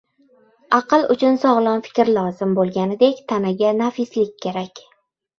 Aql uchun sog‘lom fikr lozim bo‘lganidek, tanaga, nafislik kerak.